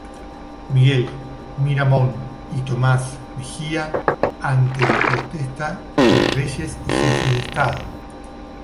Miguel Miramón y Tomás Mejía, ante la protesta de reyes y jefes de estado.